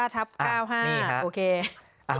๗๙ทับ๙๕โอเค